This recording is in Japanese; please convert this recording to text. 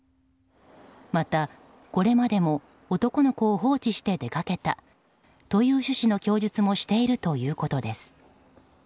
また、これまでも男の子を放置して出かけたという趣旨の供述もしているということです。